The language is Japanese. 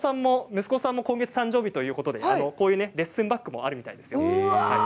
息子さんも今月誕生日ということでこういうレッスンバックもあるみたいですよ。